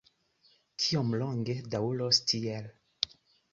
Kiom longe daŭros tiel?